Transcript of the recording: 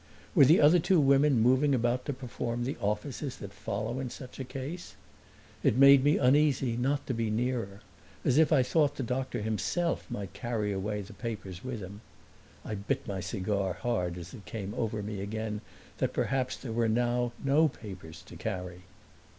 Were the other two women moving about to perform the offices that follow in such a case? It made me uneasy not to be nearer, as if I thought the doctor himself might carry away the papers with him. I bit my cigar hard as it came over me again that perhaps there were now no papers to carry!